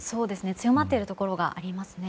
強まっているところがありますね。